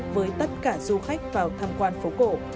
với tất cả du khách vào tham quan phố cổ